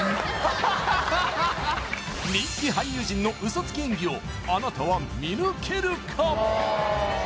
人気俳優陣のウソつき演技をあなたは見抜けるか？